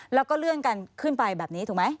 แล้วก็เลื่อนกันขึ้นไปแบบนี้ถูกไหม